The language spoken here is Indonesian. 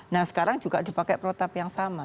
nah sekarang juga dipakai protap yang sama